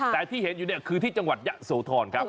แต่ที่เห็นอยู่เนี่ยคือที่จังหวัดยะโสธรครับ